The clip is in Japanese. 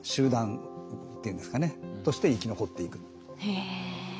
へえ。